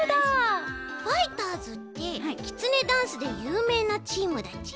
ファイターズってきつねダンスでゆうめいなチームだち？